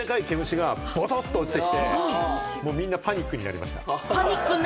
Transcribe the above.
そうしたら、こんなでかい毛虫がボトンと落ちてきて、もう、みんなパニックになりました。